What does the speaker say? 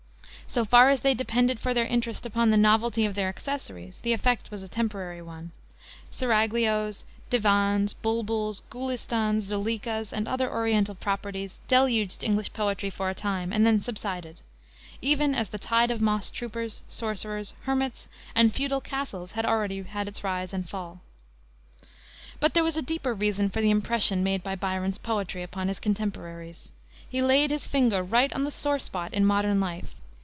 So far as they depended for this interest upon the novelty of their accessories, the effect was a temporary one. Seraglios, divans, bulbuls, Gulistans, Zuleikas, and other Oriental properties, deluged English poetry for a time, and then subsided; even as the tide of moss troopers, sorcerers, hermits, and feudal castles had already had its rise and fall. But there was a deeper reason for the impression made by Byron's poetry upon his contemporaries. He laid his finger right on the sore spot in modern life.